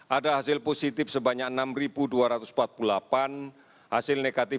ada hasil positif sebanyak enam dua ratus empat puluh delapan hasil negatif tiga puluh tiga satu ratus tujuh puluh empat